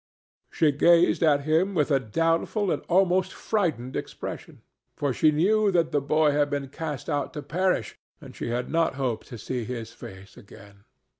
She gazed at him with a doubtful and almost frightened expression, for she knew that the boy had been cast out to perish, and she had not hoped to see his face again.